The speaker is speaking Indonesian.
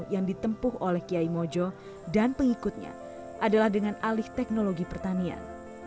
yang ditempuh oleh kiai mojo dan pengikutnya adalah dengan alih teknologi pertanian